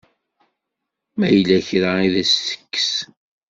Ma yella kra i d as-tekkes?